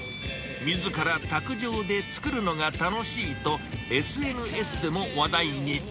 みずから卓上で作るのが楽しいと、ＳＮＳでも話題に。